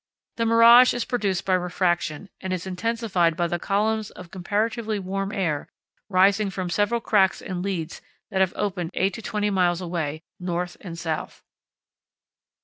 The mirage is produced by refraction and is intensified by the columns of comparatively warm air rising from several cracks and leads that have opened eight to twenty miles away north and south."